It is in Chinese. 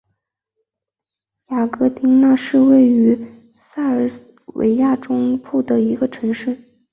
雅戈丁那是位于塞尔维亚中部的一个城市。